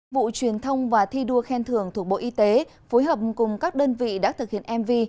vụ truyền thông và thi đua khen thưởng thuộc bộ y tế phối hợp cùng các đơn vị đã thực hiện mv